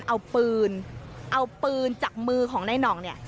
เอาปืนเอาปืนจากมือของนายหน่องเนี่ย